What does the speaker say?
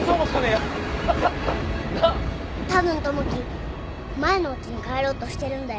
たぶん友樹前のおうちに帰ろうとしてるんだよ。